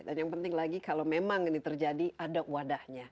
dan yang penting lagi kalau memang ini terjadi ada wadahnya